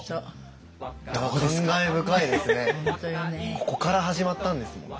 ここから始まったんですもんね。